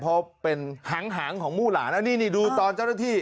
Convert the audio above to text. เพราะเป็นหางของมู่หลานอันนี้นี่ดูตอนเจ้าหน้าที่